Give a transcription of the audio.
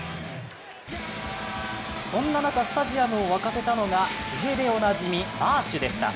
そんな中スタジアムを沸かせたのが、ひげでおなじみ、マーシュでした。